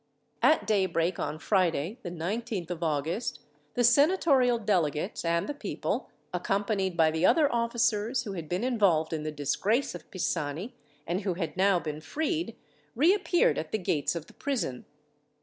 At daybreak on Friday, the 19th of August, the senatorial delegates and the people, accompanied by the other officers who had been involved in the disgrace of Pisani, and who had now been freed, reappeared at the gates of the prison.